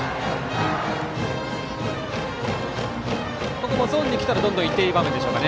ここもゾーンに来たらどんどん行っていい場面ですか。